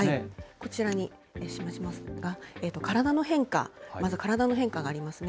こちらに示しましたが、体の変化、まず体の変化がありますね。